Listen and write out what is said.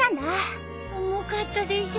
重かったでしょ。